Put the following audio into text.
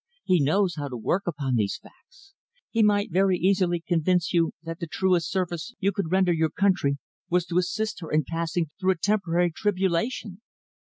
He knows how to work upon these facts. He might very easily convince you that the truest service you could render your country was to assist her in passing through a temporary tribulation."